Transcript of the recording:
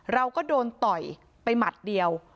เราก็โดนต่อยไปหมัดเดียว